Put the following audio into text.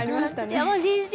鶴山先生